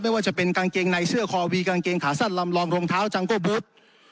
ว่าจะเป็นกางเกงในเสื้อคอวีกางเกงขาสั้นลำรองรองเท้าจังโก้บูธ